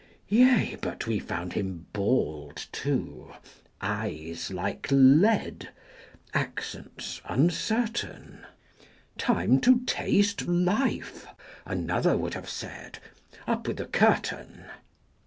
Yea, but we found him bald, too, eyes like lead, Accents uncertain: "Time to taste life," another would have said, 55 "Up with the curtain!"